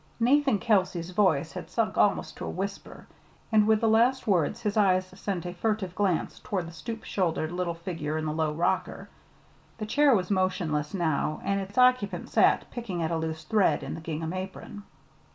Nathan Kelsey's voice had sunk almost to a whisper, and with the last words his eyes sent a furtive glance toward the stoop shouldered little figure in the low rocker. The chair was motionless now, and its occupant sat picking at a loose thread in the gingham apron.